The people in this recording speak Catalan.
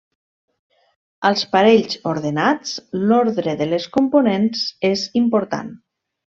Als parells ordenats, l'ordre de les components és important.